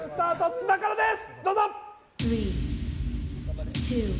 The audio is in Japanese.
津田からです！